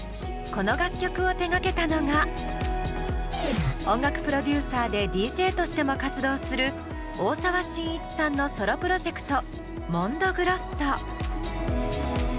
この楽曲を手がけたのが音楽プロデューサーでＤＪとしても活動する大沢伸一さんのソロプロジェクトＭＯＮＤＯＧＲＯＳＳＯ。